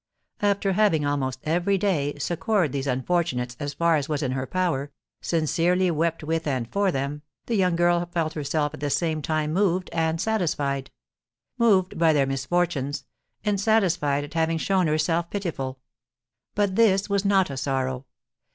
After having, almost every day, succoured these unfortunates as far as was in her power, sincerely wept with and for them, the young girl felt herself at the same time moved and satisfied, moved by their misfortunes, and satisfied at having shown herself pitiful. But this was not a sorrow.